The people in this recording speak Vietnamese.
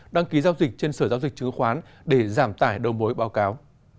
đăng ký giao dịch trên sở giao dịch chứng khoán để giảm tải đầu mối báo cáo